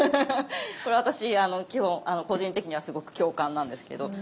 これ私個人的にはすごく共感なんですけど。